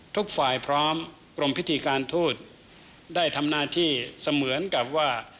ทุกฝ่ายพร้อมกรมพิธีการทูตได้ทำหน้าที่เสมือนกับว่า